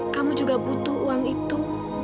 kamu juga butuh uang itu